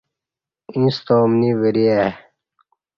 ییݩستہ اومنی وری آی۔